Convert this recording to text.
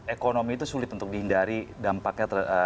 ekonomi itu sulit untuk dihindari dampaknya